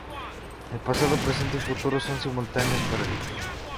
El pasado, presente y futuro son simultáneos para Dios.